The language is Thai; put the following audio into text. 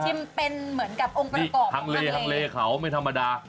มันเป็นเหมือนกับองค์ประกอบทางเลทางเลเขาไม่ธรรมดา